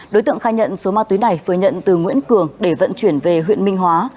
đối tượng khai nhận số ma túy này phơi nhận từ nguyễn cường để vận chuyển về huyện minh hóa